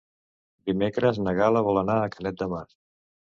Dimecres na Gal·la vol anar a Canet de Mar.